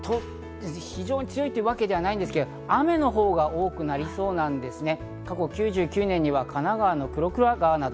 風が非常に強いというわけではないんですけど、雨のほうが多くなりそうなんですね。